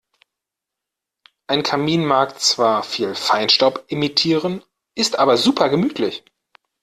Ein Kamin mag zwar viel Feinstaub emittieren, ist aber super gemütlich.